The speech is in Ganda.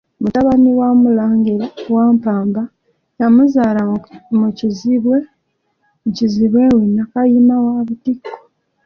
MUTABANI wa Mulangira, Wampamba, yamuzaala mu kizibwe we Nnakayima wa Butiko.